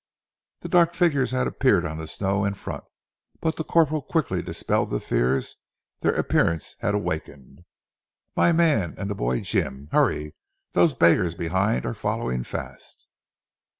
The dark figures had appeared on the snow in front, but the corporal quickly dispelled the fears their appearance had awakened. "My man, and the boy Jim! Hurry! Those beggars behind are following fast."